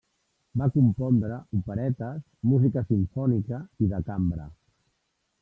Va compondre operetes, música simfònica i de cambra.